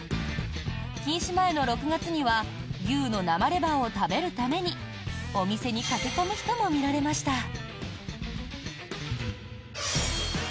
禁止前の６月には牛の生レバーを食べるためにお店に駆け込む人も見られました。